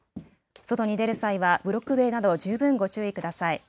外に出る際はブロック塀など十分ご注意ください。